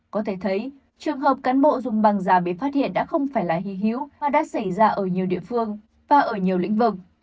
có thể thấy trường hợp cán bộ dùng bằng giả bị phát hiện đã không phải là hy hữu mà đã xảy ra ở nhiều địa phương và ở nhiều lĩnh vực